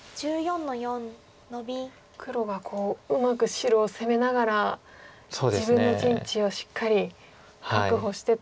黒がうまく白を攻めながら自分の陣地をしっかり確保してと。